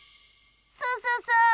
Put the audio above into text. そうそうそう！